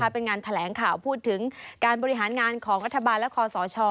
เป็นงานแถลงข่าวพูดถึงการบริหารงานของรัฐบาลและคอสช